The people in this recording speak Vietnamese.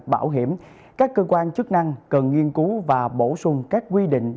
bảo hiểm các cơ quan chức năng cần nghiên cứu và bổ sung các quy định